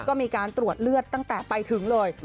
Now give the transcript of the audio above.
ก็มีการตรวจเลือดตั้งแต่ไปถึงเลย